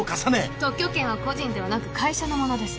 特許権は個人ではなく会社のものです。